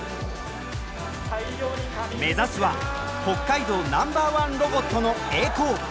目指すは北海道ナンバーワンロボットの栄光。